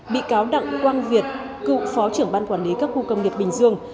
bị cáo đặng quang việt cựu phó trưởng ban quản lý các khu công nghiệp bình dương